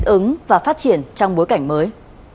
ứng và phát triển trong bối cảnh mới